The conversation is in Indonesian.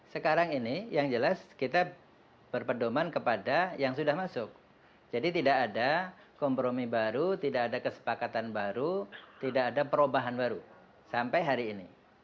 sekarang ini yang jelas kita berpedoman kepada yang sudah masuk jadi tidak ada kompromi baru tidak ada kesepakatan baru tidak ada perubahan baru sampai hari ini